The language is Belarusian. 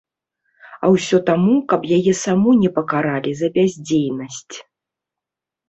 А ўсё таму, каб яе саму не пакаралі за бяздзейнасць.